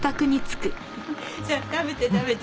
さあ食べて食べて。